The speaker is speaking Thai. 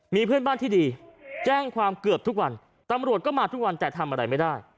มีเพื่อนบ้านที่ดีแจ้งความเกือบทุกวันตำรวจก็มาทุกวันแต่ทำอะไรไม่ได้